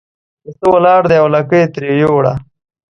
پسه ولاړ دی او لکۍ یې ترې یووړه.